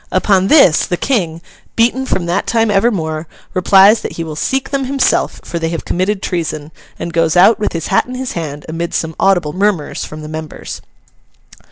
Upon this, the King, beaten from that time evermore, replies that he will seek them himself, for they have committed treason; and goes out, with his hat in his hand, amid some audible murmurs from the members.